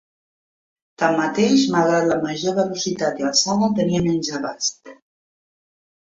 Tanmateix, malgrat la major velocitat i alçada, tenia menys abast.